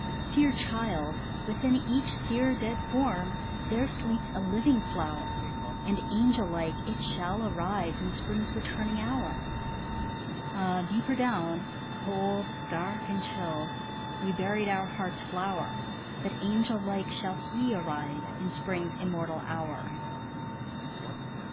"Dear child, within each sere dead form There sleeps a living flower, And angel like it shall arise In spring's returning hour." Ah, deeper down cold, dark, and chill We buried our heart's flower, But angel like shall he arise In spring's immortal hour.